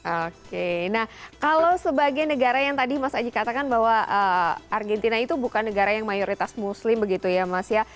oke nah kalau sebagai negara yang tadi mas aji katakan bahwa argentina itu bukan negara yang mayoritas muslim begitu ya mas ya